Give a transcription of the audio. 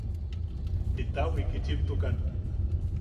–¿Jita wikichimtukan?